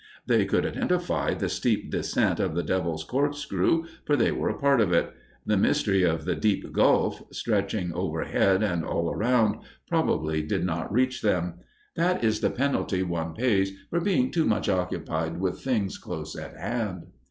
They could identify the steep descent of the Devil's Corkscrew, for they were a part of it; the mystery of the deep gulf, stretching overhead and all around, probably did not reach them. That is the penalty one pays for being too much occupied with things close at hand.